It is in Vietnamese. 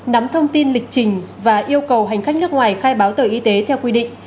nắm thông tin lịch trình và yêu cầu hành khách nước ngoài khai báo tờ y tế theo quy định